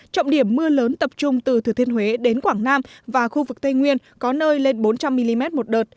trọng điểm mưa lớn tập trung từ thừa thiên huế đến quảng nam và khu vực tây nguyên có nơi lên bốn trăm linh mm một đợt